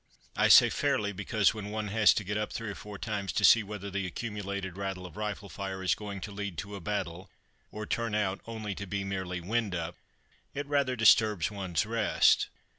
I say fairly because when one has to get up three or four times to see whether the accumulated rattle of rifle fire is going to lead to a battle, or turn out only to be merely "wind up," it rather disturbs one's rest.